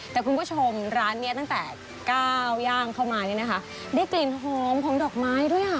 แต่คุณผู้ชมร้านนี้ตั้งแต่ก้าวย่างเข้ามาเนี่ยนะคะได้กลิ่นหอมของดอกไม้ด้วยอ่ะ